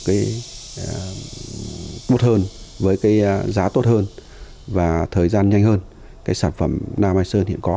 cái bút hơn với cái giá tốt hơn và thời gian nhanh hơn cái sản phẩm nam mai sơn hiện có